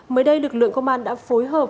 mới đây lực lượng công an đã phối hợp